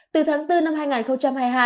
từ tháng bốn năm hai nghìn hai mươi hai